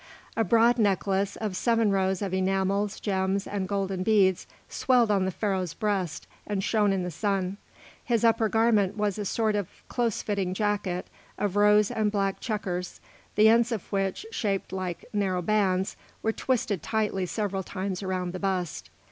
A broad necklace, of seven rows of enamels, gems, and golden beads, swelled on the Pharaoh's breast and shone in the sun. His upper garment was a sort of close fitting jacket, of rose and black checkers, the ends of which, shaped like narrow bands, were twisted tightly several times around the bust.